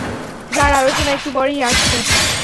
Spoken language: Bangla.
যার আলোচনা একটু পরেই আসছে।